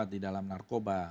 di dalam narkoba